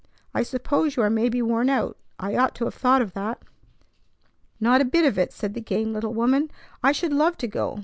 I suppose you are maybe worn out. I ought to have thought of that." "Not a bit of it!" said the game little woman. "I should love to go.